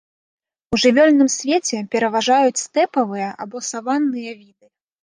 У жывёльным свеце пераважаюць стэпавыя або саванныя віды.